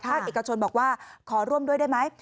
เอกชนบอกว่าขอร่วมด้วยได้ไหม